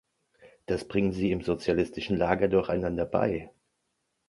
Das bringen Sie im sozialistischen Lager doch einander bei.